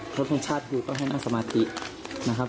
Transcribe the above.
ครบทรงชาติครูก็ให้นั่งสมาธินะครับ